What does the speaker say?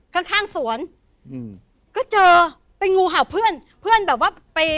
ข้างข้างสวนอืมก็เจอเป็นงูเห่าเพื่อนเพื่อนแบบว่าไป